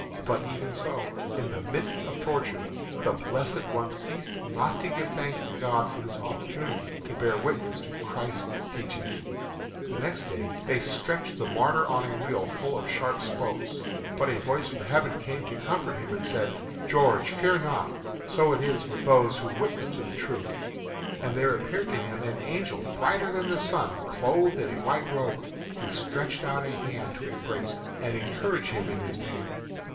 But even so, in the midst of torture, the blessed one ceased not to give thanks to God for this opportunity to bear witness to Christ's teachings. The next day they stretched the martyr on a wheel full of sharp spokes. But a voice from heaven came to comfort him and said, "George, fear not; so it is with those who witness to the truth." And there appeared to him an angel brighter than the sun, clothed in a white robe, who stretched out a hand to embrace and encourage him in his pain.